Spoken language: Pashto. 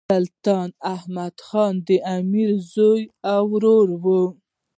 سلطان احمد خان د امیر زوم او وراره وو.